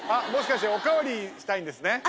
もしかしてお代わりしたいんですね。